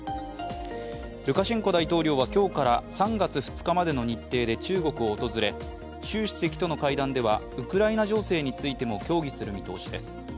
ルカシェンコ大統領は今日から３月２日までの日程で中国を訪れ、習主席との会談ではウクライナ情勢についても協議する見通しです。